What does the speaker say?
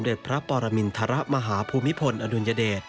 สมเด็จพระปอรมินทรมาฮภูมิพลอนุญเดช